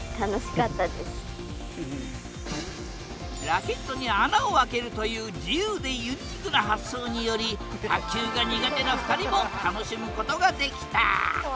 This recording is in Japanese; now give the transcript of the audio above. ラケットに穴をあけるという自由でユニークな発想により卓球が苦手な２人も楽しむことができた。